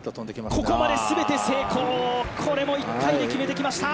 ここまですべて成功、これも１回で決めてきました。